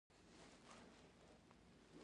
مصنوعي ځیرکتیا د وجدان رول روښانه کوي.